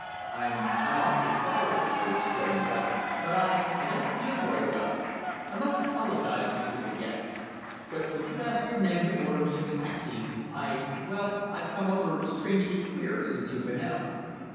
"I I'm awfully sorry!" I exclaimed. "But I I don't feel very well. I must apologize, Mr. De Gex, but would you ask your man to order me a taxi? I well, I've come over strangely queer since you've been out."